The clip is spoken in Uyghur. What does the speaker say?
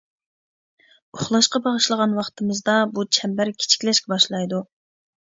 ئۇخلاشقا باشلىغان ۋاقتىمىزدا بۇ چەمبەر كىچىكلەشكە باشلايدۇ.